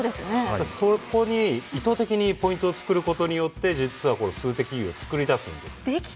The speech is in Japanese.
そこに意図的にポイントを作ることによって実は数的優位を作り出すんです。